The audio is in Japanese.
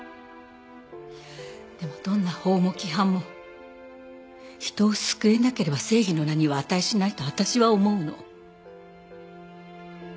でもどんな法も規範も人を救えなければ正義の名には値しないと私は思うの。